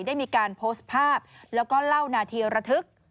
ได้มีการโพสต์ภาพแล้วก็เล่านาทีระทึก